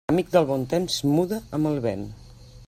Amic del bon temps muda amb el vent.